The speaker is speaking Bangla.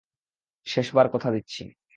শেষবার, কথা দিচ্ছি।